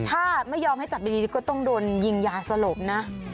ถ้าไม่ยอมให้จับดีก็ต้องโดนยิงยาสลบนะ